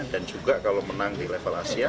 dan juga kalau menang di level aida